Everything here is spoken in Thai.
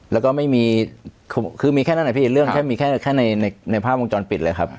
แล้วก็ไม่มีคือมีแค่นั้นนะพี่เรื่องแค่มีแค่ในภาพวงจรปิดเลยครับ